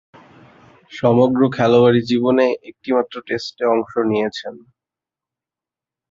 সমগ্র খেলোয়াড়ী জীবনে একটিমাত্র টেস্টে অংশ নিয়েছেন।